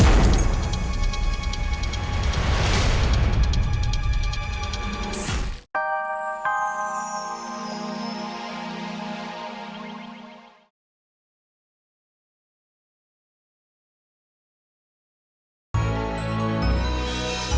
yang ada dalam singkatan itu pun saja